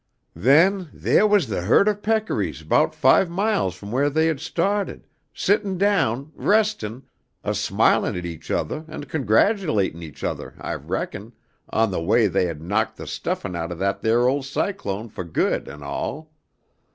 "Then, theah was the herd of peccaries about five miles from wheah they had stahted, sittin' down, resting, a smilin' at each othah and congratulatin' each othah, I reckon, on the way they had knocked the stuffin' out of that theah ole cyclone fo' good and all.